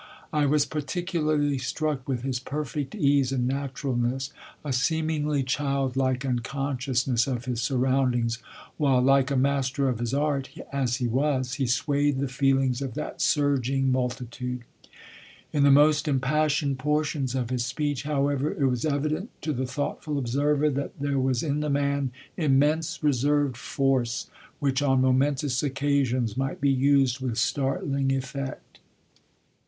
I was particularly struck with his perfect ease and naturalness, a seemingly childlike unconsciousness of his surroundings, while, like a master of his art, as he was, he swayed the feelings of that surging multitude. In the most impassioned portions of his speech, however, it was evident to the thoughtful observer that there was in the man immense reserved force which on momentous occasions might be used with startling effect.